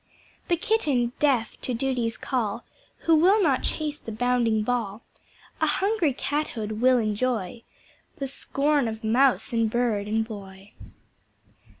The Kitten, deaf to Duty's call, Who will not chase the bounding ball, A hungry Cathood will enjoy, The scorn of Mouse and Bird and Boy.